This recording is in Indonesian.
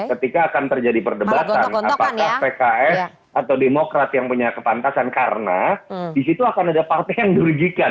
ketika akan terjadi perdebatan apakah pks atau demokrat yang punya kepantasan karena disitu akan ada partai yang dirugikan